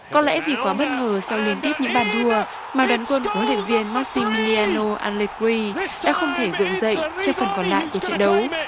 có lẽ vì quá bất ngờ sau liên tiếp những bàn thua mà đoàn quân của huyện luyện viên massimiliano allegri đã không thể vượn dậy cho phần còn lại của trận đấu